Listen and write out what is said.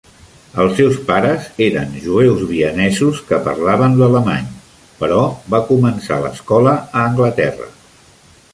Els seus pares eren jueus vienesos que parlaven l'alemany, però va començar l'escola a Anglaterra.